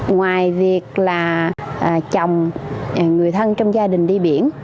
ngoài việc là chồng người thân trong gia đình đi biển